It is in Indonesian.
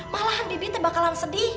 malahan bibi itu bakalan sedih